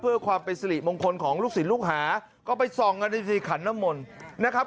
เพื่อความเป็นสิริมงคลของลูกศิลปลูกหาก็ไปส่องกันในสี่ขันน้ำมนต์นะครับ